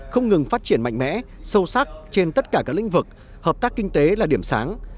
không ngừng phát triển mạnh mẽ sâu sắc trên tất cả các lĩnh vực hợp tác kinh tế là điểm sáng